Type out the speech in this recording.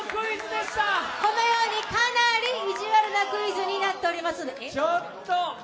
このようにかなりいじわるなクイズになっております。